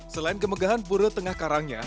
selain kemegahan buruh tengah karangnya